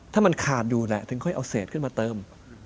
ถ้ามันขาดอยู่แหละถึงค่อยเอาเศษขึ้นมาเติม